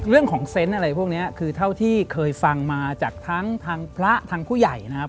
เรื่องของเซนต์อะไรพวกนี้คือเท่าที่เคยฟังมาจากทั้งพระทั้งผู้ใหญ่นะครับ